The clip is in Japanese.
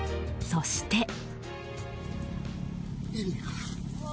そして。